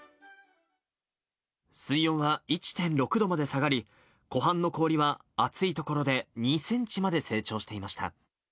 水温は１．６度まで下がり、湖畔の氷は厚い所で２センチまで成長していました。